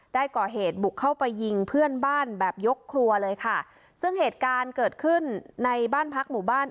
ได้ก่อเหตุบุกเข้าไปยิงเพื่อนบ้านแบบยกครัวเลยค่ะซึ่งเหตุการณ์เกิดขึ้นในบ้านพักหมู่บ้าน